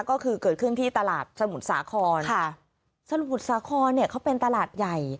ก็คือเกิดขึ้นที่ตลาดสมุทรสาครค่ะสมุทรสาครเนี่ยเขาเป็นตลาดใหญ่